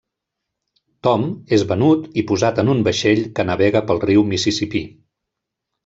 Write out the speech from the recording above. Tom és venut i posat en un vaixell que navega pel riu Mississipí.